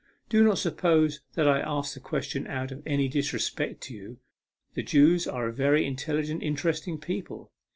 " Do not suppose that I ask the question out of any disrespect to you. The Jews are a very intelligent, interesting people.